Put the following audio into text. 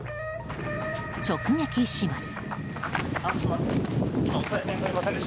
直撃します。